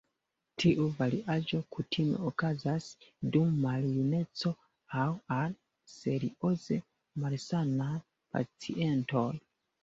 Tiu variaĵo kutime okazas dum maljuneco aŭ al serioze malsanaj pacientoj.